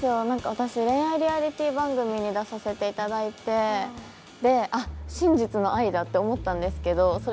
私恋愛リアリティー番組に出させていただいてあっ真実の愛だって思ったんですけどそれが違って。